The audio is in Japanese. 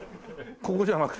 これじゃなくて？